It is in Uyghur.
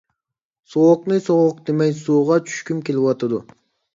سوغۇقنى سوغۇق دېمەي سۇغا چۈشكۈم كېلىۋاتىدۇ.